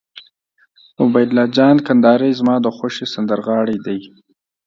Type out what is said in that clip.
عبیدالله جان کندهاری زما د خوښې سندرغاړی دي.